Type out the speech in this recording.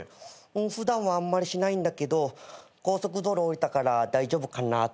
うん普段はあんまりしないんだけど高速道路降りたから大丈夫かなぁって。